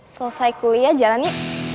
selesai kuliah jalannya